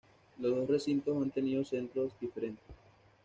Los dos recintos han tenido centros diferentes.